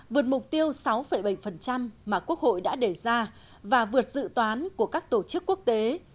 vượt mục tiêu sáu bảy mà quốc hội đã đề ra và vượt dự toán của các tổ chức quốc tế